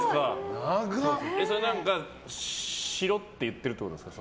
しろって言ってるってことですか。